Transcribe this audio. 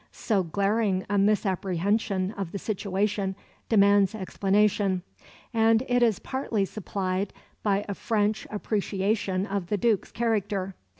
So glaring a misapprehension of the situation demands explanation, and it is partly supplied by a French appreciation of the Duke's character.